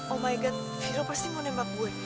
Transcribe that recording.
oh my god viro pasti mau nembak gue